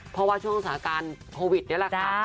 เพราะว่าช่วงสถานการณ์โควิดนี่แหละค่ะ